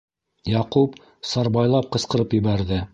Яҡуп сарбайлап ҡысҡырып ебәрҙе: